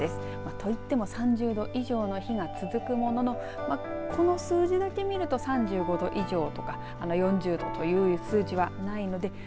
といっても３０度以上の日が続くもののこの数字だけ見ると３５度以上とか４０度という数字はないので。